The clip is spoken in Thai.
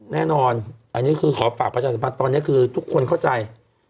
แน่นอนอันนี้คือขอฝากประชาสัมพันธ์ตอนนี้คือทุกคนเข้าใจ